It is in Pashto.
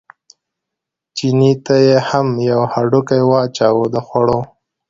چیني ته یې هم یو هډوکی واچاوه د خوړو.